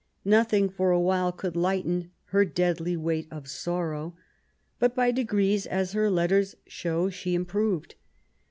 Nothing, for a while, could lighten her deadly weight of sorrow. But by •degrees, as her letters show, she improved.